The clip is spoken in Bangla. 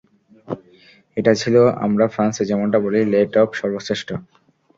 এটা ছিল, আমরা ফ্রান্সে যেমনটা বলি, লে টপ, সর্বশ্রেষ্ঠ।